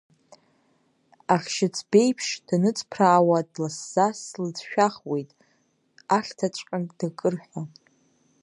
Ахьшьыцбеиԥш даныҵԥраауа дласӡа, слыцәшәахуеит, ахьҭаҵәҟьагь дакырҳәа!